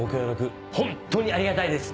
ホントにありがたいです。